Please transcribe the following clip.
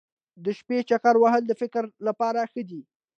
د شپې چکر وهل د فکر لپاره ښه دي.